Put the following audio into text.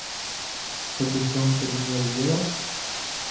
Co bychom tedy měli dělat?